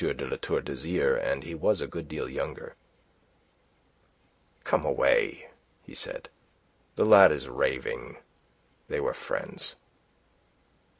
de La Tour d'Azyr, and he was a good deal younger. "Come away," he said. "The lad is raving. They were friends."